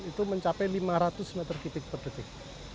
itu mencapai lima ratus m tiga per detik